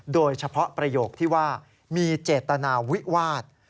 โดยเฉพาะประโยคที่ว่ามีเจตนาวิวาส